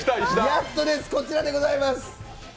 やっとです、こちらでございます。